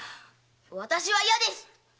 私は嫌です！